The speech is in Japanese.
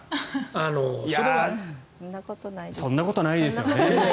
そんなことないですよね。